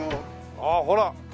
ああほら！